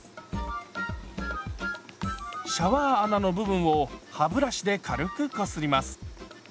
シャワー穴の部分を歯ブラシで軽くこすります。